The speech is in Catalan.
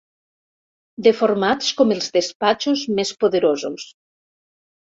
Deformats com els despatxos més poderosos.